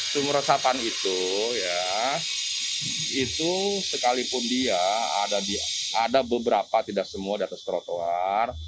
sumur resapan itu ya itu sekalipun dia ada beberapa tidak semua di atas trotoar